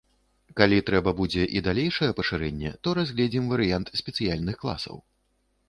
Калі трэба будзе і далейшае пашырэнне, то разгледзім варыянт спецыяльных класаў.